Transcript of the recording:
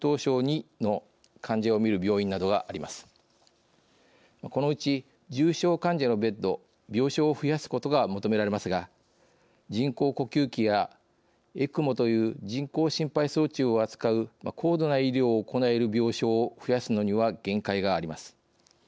このうち重症患者のベッド＝病床を増やすことが求められますが人工呼吸器やＥＣＭＯという人工心肺装置を扱う高度な医療を行える病床を増やすのには限界があります。